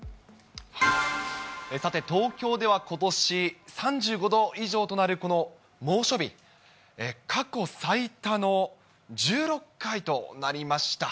さて、東京ではことし３５度以上となるこの猛暑日、過去最多の１６回となりました。